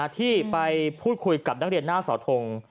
ที่ไปพูดคุยกับนักเรียนหน้าสอทง